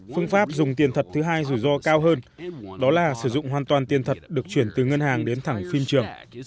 phương pháp dùng tiền thật thứ hai rủi ro cao hơn đó là sử dụng hoàn toàn tiền thật được chuyển từ ngân hàng đến thẳng phim trường